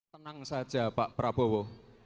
tenang saja pak prabowo